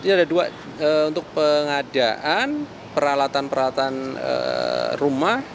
ini ada dua untuk pengadaan peralatan peralatan rumah